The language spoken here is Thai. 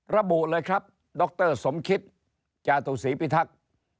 ระบุเลยครับดรสมคิตจาตุศีพิทักษ์